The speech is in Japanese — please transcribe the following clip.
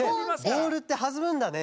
ボールってはずむんだね。